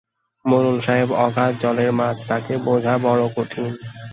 মােড়ল সাহেব অগাধ জলের মাছ, তাকে বােঝা বড় কঠিন।